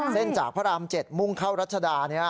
เส้นจากพระอราม๗มุ่งเข้ารัชดาเนี่ย